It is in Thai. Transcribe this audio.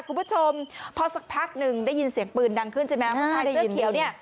คุณผู้ชมพอสักพักนึงได้ยินเสียงปืนดังขึ้นใช่ไหม